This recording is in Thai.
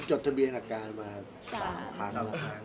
จดทะเบียนหลักการมา๓ครั้ง